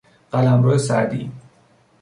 قلمرو سعدی